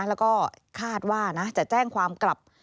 แล้วก็คาดว่านะจะแจ้งความกลับ